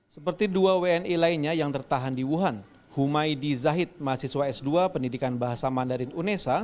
seperti dua wni lainnya yang tertahan di wuhan humaydi zahid mahasiswa s dua pendidikan bahasa mandarin unesa